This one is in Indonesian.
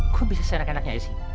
kok bisa seenak enaknya aja sih